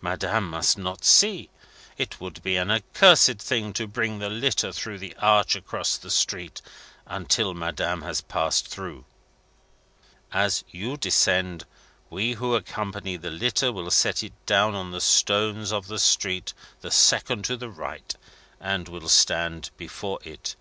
Madame must not see. It would be an accursed thing to bring the litter through the arch across the street, until Madame has passed through. As you descend, we who accompany the litter will set it down on the stones of the street the second to the right, and will stand before it.